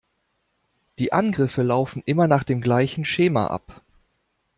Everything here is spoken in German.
Die Angriffe laufen immer nach dem gleichen Schema ab.